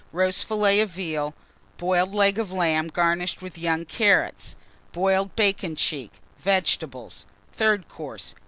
Roast Fillet of Veal. Boiled Leg of Lamb, garnished with young Carrots. Boiled Bacon cheek. Vegetables. THIRD COURSE.